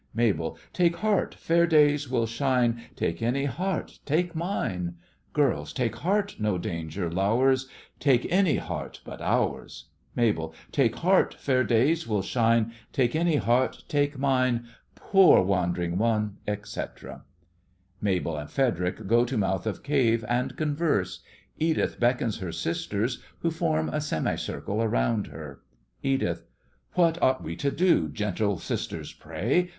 MABEL: Take heart, fair days will shine; Take any heart—take mine! GIRLS: Take heart; no danger low'rs; Take any heart but ours! MABEL: Take heart, fair days will shine; Take any heart—take mine! Poor wand'ring one!, etc. (MABEL and FREDERIC go to mouth of cave and converse. EDITH beckons her sisters, who form a semicircle around her.) EDITH What ought we to do, Gentle sisters, say?